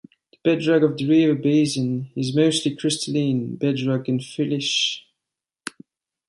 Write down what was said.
The bedrock of the river basin is mostly crystalline bedrock and flysch.